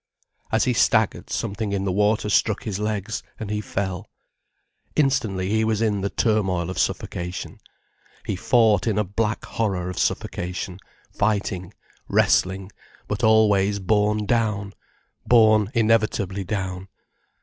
As he staggered something in the water struck his legs, and he fell. Instantly he was in the turmoil of suffocation. He fought in a black horror of suffocation, fighting, wrestling, but always borne down, borne inevitably down.